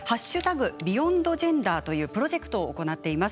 ＢｅｙｏｎｄＧｅｎｄｅｒというプロジェクトを行っています。